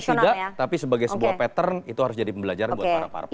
tidak tapi sebagai sebuah pattern itu harus jadi pembelajaran buat para parpol